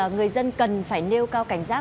người dân cần phải nêu cao cảnh giác